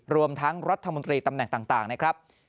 รวมทั้งรัฐมนตรีตำแหน่งต่างนะครับ